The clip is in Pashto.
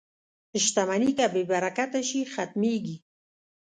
• شتمني که بې برکته شي، ختمېږي.